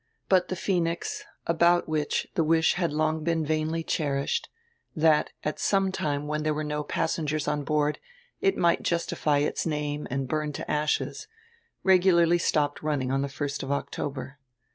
But die "Phoenix" — about which die wish had long been vainly cherished, diat, at some time when diere were no passengers on board, it might justify its name and burn to ashes — regularly stopped running on die 1st of October.